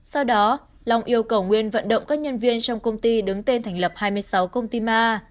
sau đó long yêu cầu nguyên vận động các nhân viên trong công ty đứng tên thành lập hai mươi sáu công ty ma